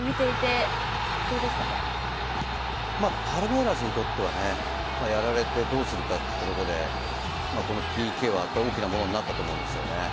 パルメイラスにとっては、やられてどうするかというところで、このＰＫは大きなものになったと思うんですよね。